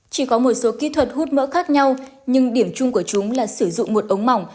chỉ có một số kỹ thuật hút mỡ khác nhau nhưng điểm chung của chúng là sử dụng một ống mỏng